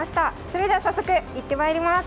それでは早速行ってまいります。